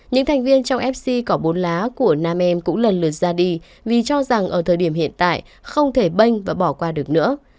những thành viên trong fc cỏ bốn lá của nam em cũng lần lượt ra đi vì cho rằng ở thời điểm hiện tại không thể banh và bỏ qua được nữa